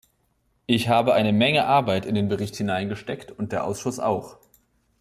Ich habe eine Menge Arbeit in den Bericht hineingesteckt und der Ausschuss auch.